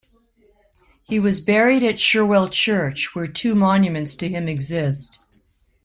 He was buried at Shirwell Church, where two monuments to him exist.